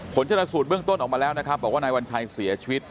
ผลชนสูตรเบื้องต้นออกมาแล้วนะครับบอกว่านายวัญชัยเสียชีวิต